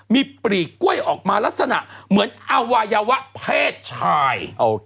มีปลีกกล้วยออกมาลักษณะเหมือนอวัยวะเพศชาย